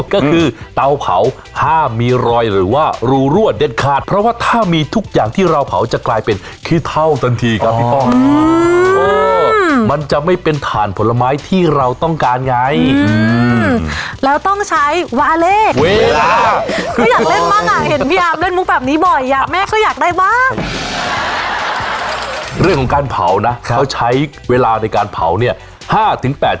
ก็คือเตาเผาห้ามมีรอยหรือว่ารูรั่วเด็ดขาดเพราะว่าถ้ามีทุกอย่างที่เราเผาจะกลายเป็นคิดเท่าตันทีครับพี่ป้อง